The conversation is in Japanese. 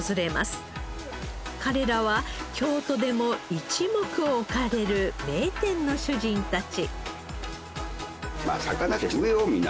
彼らは京都でも一目置かれる名店の主人たち。